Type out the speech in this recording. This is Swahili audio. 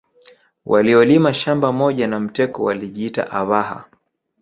Waliolima shamba moja na Mteko walijiita Abhaha